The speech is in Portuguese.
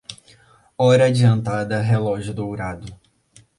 Hora adiantada, relógio dourado.